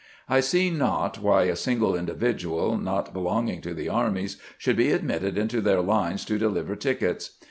I see not why a single individual not belonging to the armies should be admitted into their lines to deliver tickets.